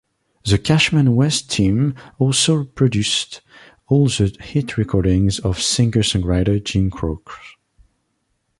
The Cashman-West team also produced all the hit recordings of singer-songwriter Jim Croce.